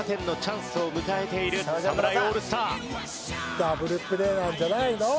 ダブルプレーなんじゃないの？